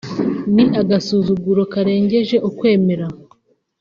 ni agasuzuguro karengeje ukwemera